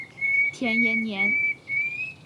田延年。